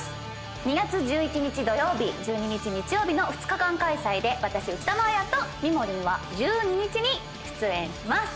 ２月１１日土曜日１２日日曜日の２日間開催で私内田真礼とみもりんは１２日に出演します。